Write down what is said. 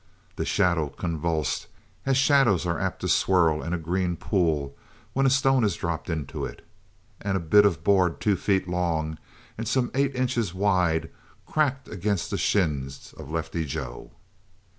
The shadow convulsed as shadows are apt to swirl in a green pool when a stone is dropped into it; and a bit of board two feet long and some eight inches wide cracked against the shins of Lefty Joe.